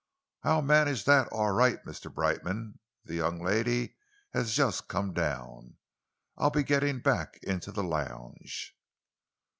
"I'll manage that all right, Mr. Brightman. The young lady has just come down. I'll be getting back into the lounge."